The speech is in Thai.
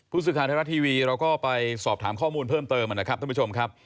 สื่อข่าวไทยรัฐทีวีเราก็ไปสอบถามข้อมูลเพิ่มเติมนะครับท่านผู้ชมครับ